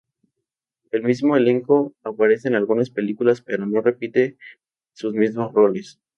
El mismo elenco aparece en algunas películas, pero no repiten sus mismos roles.